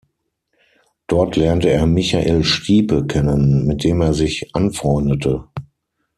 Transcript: Dort lernte er Michael Stipe kennen, mit dem er sich anfreundete.